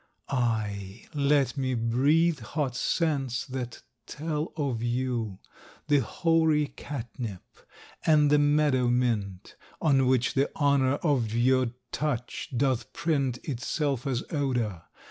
IV Aye, let me breathe hot scents that tell of you: The hoary catnip and the meadow mint, On which the honour of your touch doth print Itself as odour.